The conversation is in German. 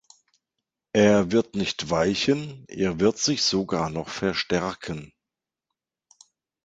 Er wird nicht weichen, er wird sich sogar noch verstärken.